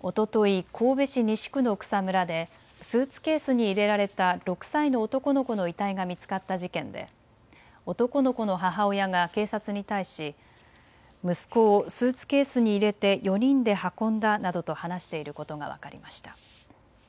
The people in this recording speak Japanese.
おととい、神戸市西区の草むらでスーツケースに入れられた６歳の男の子の遺体が見つかった事件で男の子の母親が警察に対し息子をスーツケースに入れて４人で運んだなどと話していることが分かりました。